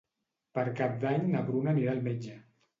Per Cap d'Any na Bruna anirà al metge.